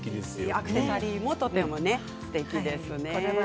アクセサリーもとてもすてきです。